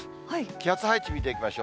気圧配置見ていきましょう。